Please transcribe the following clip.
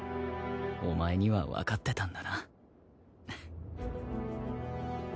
お前にはわかってたんだなフッ。